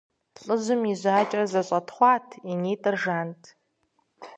ЛӀыжьым и жьакӀэр зэщӀэтхъуат, и нитӀыр жант.